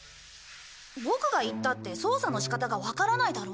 ボクが行ったって操作の仕方がわからないだろ？